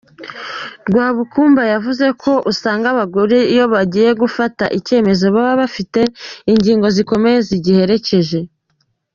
Rwabukumba yanavuze ko usanga abagore iyo bagiye gufata icyemezo baba bafite ingingo zikomeye zigiherekeje.